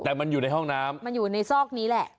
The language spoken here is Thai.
แต่มันอยู่ในห้องน้ำมันอยู่ในซอกนี้แหละ